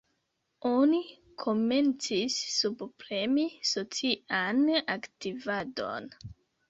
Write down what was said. Oni komencis subpremi socian aktivadon.